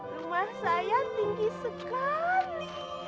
rumah saya tinggi sekali